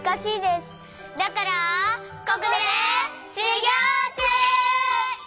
ここでしゅぎょうちゅう！